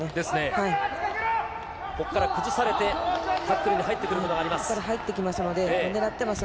ここから崩されてタックルに入ってくることがあります。